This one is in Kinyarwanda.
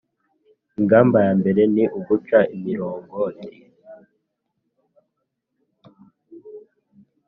ingamba ya mbere ni uguca imiringoti